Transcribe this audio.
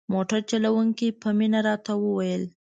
موټر چلوونکي په مینه راته وویل.